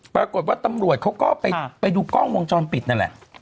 ปรากฏว่าตำรวจเขาก็ไปดูกล้องวงจรปิดนั่นแหละ